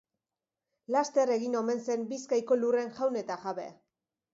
Laster egin omen zen Bizkaiko lurren jaun eta jabe.